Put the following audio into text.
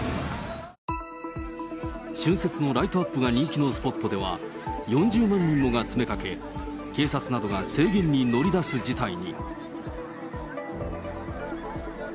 春節のライトアップが人気のスポットでは４０万人もが詰めかけ、警察などが制限に乗り出す事態に。